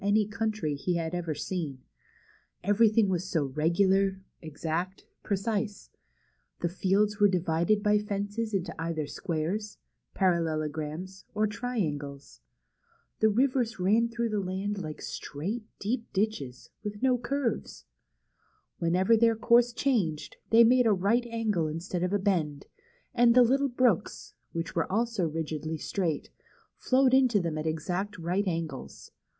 was country he had ever was so regular, ex fields were divided by fences into either squares, parallelograms, or triangles. The rivers ran through the land like straight, deep ditches, with BEHIND THE WARDROBE. 57 no curves. Whenever their course changed, they made a right angle instead of a bend, and the little brooks, which were also rigidly straight, flowed into them at exact right angles.